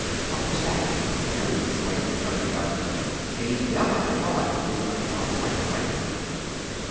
"What was that!" Harry exclaimed, jumping up. "A bell, I thought," whispered Hal, quite frightened.